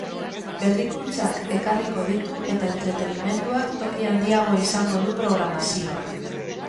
Berrikuntzak ekarriko ditu eta entretenimenduak toki handiagoa izango du programazioan.